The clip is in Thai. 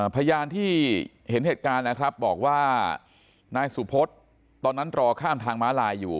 พยานที่เห็นเหตุการณ์นะครับบอกว่านายสุพศตอนนั้นรอข้ามทางม้าลายอยู่